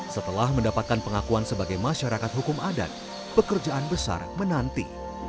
setelah mendapatkan pengakuan sebagai masyarakat hukum adat pekerjaan besar menanti